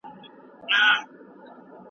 کارخانې څنګه د تولید لړۍ کنټرولوي؟